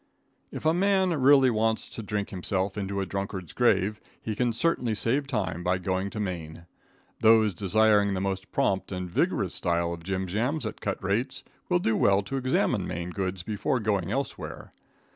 If a man really wants to drink himself into a drunkard's grave, he can certainly save time by going to Maine. Those desiring the most prompt and vigorous style of jim jams at cut rates will do well to examine Maine goods before going elsewhere.